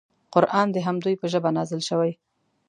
قران د همدوی په ژبه نازل شوی.